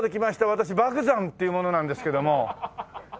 私莫山っていう者なんですけども。